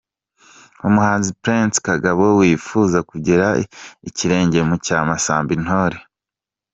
Umuhanzi Prince Kagabo wifuza kugera ikirenge mu cya Masamba Intore.